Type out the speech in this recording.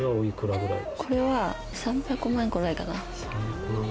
これは３００万円くらいかな。